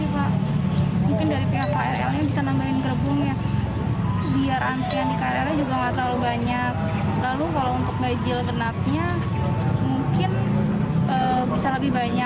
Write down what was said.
menurut saya ini sih pak mungkin dari pihak krlnya bisa nambahin gerbungnya